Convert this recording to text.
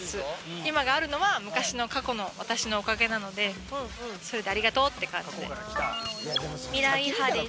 今があるのは、昔の過去の私のおかげなので、それでありがとうっ未来派です。